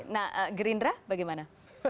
nah gerindra bagaimana